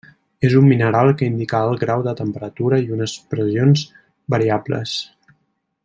És un mineral que indica alt grau de temperatura i unes pressions variables.